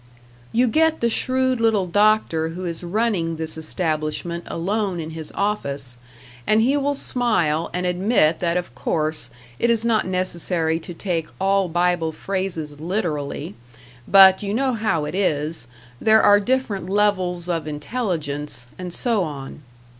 You get the shrewd little doctor who is running this establishment alone in his office, and he will smile and admit that of course it is not necessary to take all Bible phrases literally; but you know how it is there are different levels of intelligence, and so on.